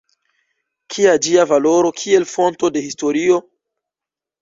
Kia ĝia valoro kiel fonto de historio?